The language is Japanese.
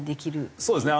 そうですね。